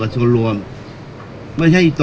การสำรรค์ของเจ้าชอบใช่